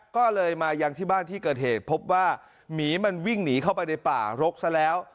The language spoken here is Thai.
ก็เลยมายังที่บ้านที่เกิดเหตุพบว่าหมีมันวิ่งหนีเข้าไปในป่ารกซะแล้ว